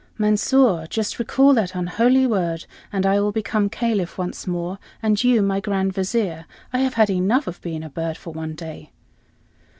"Mansor, just recall that unholy word, and I will become Caliph once more, and you my Grand Vizier. I have had enough of being a bird for one day."